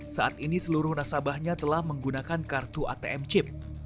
saat ini seluruh nasabahnya telah menggunakan kartu atm chip